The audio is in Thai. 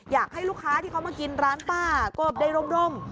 อยากให้ลูกค้าที่เขามากินร้านป้าก็ได้ร่ม